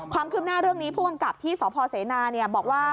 ความคืบหน้าเรื่องนี้ผู้กำกับที่สพเสนาบอกว่า